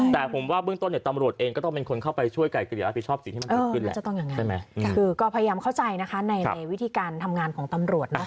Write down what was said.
แต่ผมว่าเบื้องต้นเนี่ยตำรวจเองก็ต้องเป็นคนเข้าไปช่วยไก่เกรียร์รับผิดชอบสิทธิ์ที่มันพยายามเข้าใจนะคะในวิธีการทำงานของตำรวจ